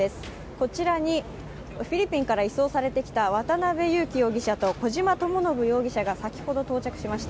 こちらにフィリピンから移送されてきた渡辺優樹容疑者と小島智信容疑者が先ほど到着しました。